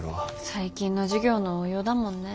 最近の授業の応用だもんね。